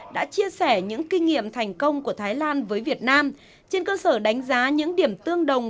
đã chia sẻ những kinh nghiệm thành công của thái lan với việt nam trên cơ sở đánh giá những điểm tương đồng